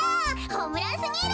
ホームランすぎる。